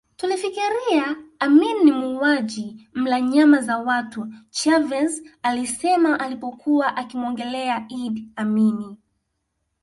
Tulifikiria Amin ni muuaji mla nyama za watu Chavez alisema alipokuwa akimuongelea Idi Amin